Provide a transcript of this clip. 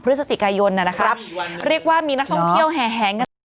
พฤศจิกายนนะครับเรียกว่ามีนักท่องเที่ยวแห่แหงกันไป